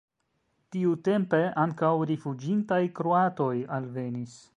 Tiutempe ankaŭ rifuĝintaj kroatoj alvenis.